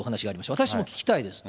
私も聞きたいです。